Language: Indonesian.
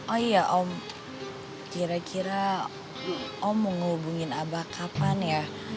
oh iya om kira kira om mau hubungin abah kapan ya